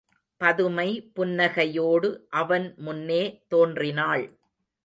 பதுமை புன்னகையோடு அவன் முன்னே தோன்றினாள்.